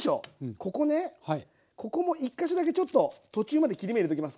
ここねここも１か所だけちょっと途中まで切り目入れときます